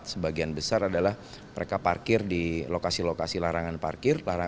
sebagian besar adalah mereka parkir di lokasi lokasi larangan parkir